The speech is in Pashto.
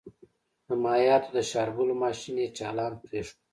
د مايعاتو د شاربلو ماشين يې چالان پرېښود.